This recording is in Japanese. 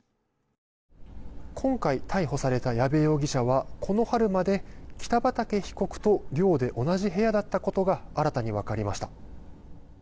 今回、逮捕された矢部容疑者は、この春まで北畠被告と寮で同じ部屋だったことが新たに分かりました。